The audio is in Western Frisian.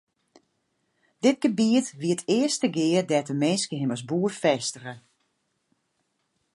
Dit gebiet wie it earste gea dêr't de minske him as boer fêstige.